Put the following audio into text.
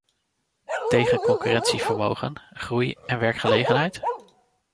Tegen concurrentievermogen, groei en werkgelegenheid?